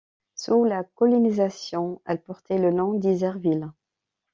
Sous la colonisation elle portait le nom d'Isserville.